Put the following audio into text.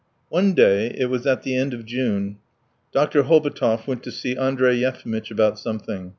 One day it was at the end of June Dr. Hobotov went to see Andrey Yefimitch about something.